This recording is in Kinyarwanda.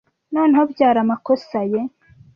noneho byari amakosa ye